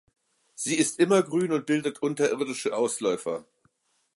Sie ist immergrün und bildet unterirdische Ausläufer.